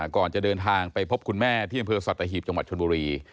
ก่อนจะเดินทางไปพบคุณแม่ที่ดำเภอสตฮีบชชลบุรี